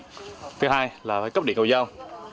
bước thứ hai là phải cấp điện cầu giao